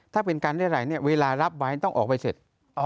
ถ้าเป็นการเรียดไหลเวลารับไว้ต้องออกไปเสร็จ